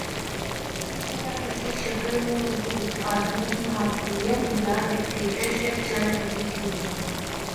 کسی نہ کسی شکل میں مضبوط آدمی کی حاکمیت یا ڈکٹیٹرشپ چل رہی تھی۔